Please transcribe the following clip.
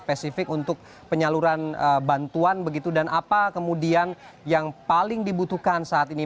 spesifik untuk penyaluran bantuan begitu dan apa kemudian yang paling dibutuhkan saat ini